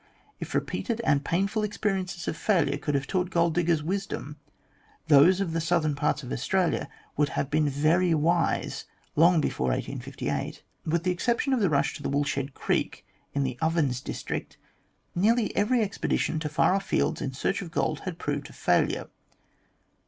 If repeated and painful experiences of failure could have taught gold diggers wisdom, those of the southern parts of Australia would have been very wise long before 1858. With the exception of the rush to the Woolshed Creek, in the Ovens district, nearly every expedition to far off fields in search of gold had proved a failure.